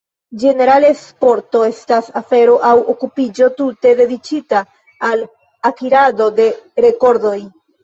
Ĝenerale sporto estas afero aŭ okupiĝo tute dediĉita al akirado de rekordoj.